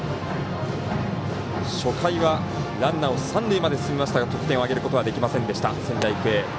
初回は、ランナーを三塁まで進めましたが得点を挙げることができなかった仙台育英。